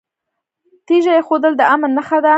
تیږه ایښودل د امن نښه ده